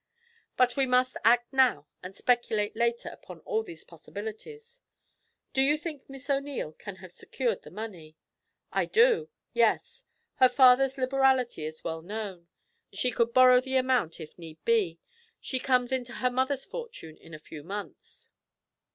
But we must act now and speculate later upon all these possibilities. Do you think Miss O'Neil can have secured the money?' 'I do; yes. Her father's liberality is well known. She could borrow the amount if need be; she comes into her mother's fortune in a few months.'